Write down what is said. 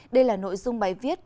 đây là nội dung bài viết